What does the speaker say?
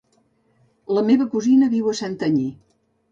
La meva cosina viu a Santanyí.